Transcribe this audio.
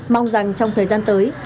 mong rằng trong thời gian tới